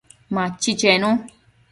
Machi chenu